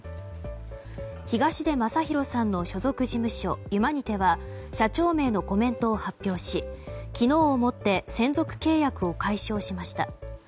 東出昌大さんの所属事務所ユマニテは社長名のコメントを発表し昨日をもって専属契約を解消しました。